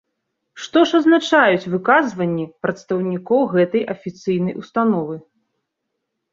Што ж азначаюць выказванні прадстаўнікоў гэтай афіцыйнай установы?